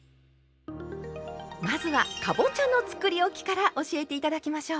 まずはかぼちゃのつくりおきから教えて頂きましょう。